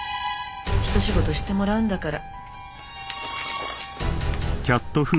ひと仕事してもらうんだから。